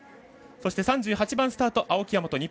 そして３８番スタート、青木大和。